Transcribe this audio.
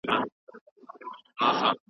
د تاریخي ځایونو ساتنه زموږ هویت دی.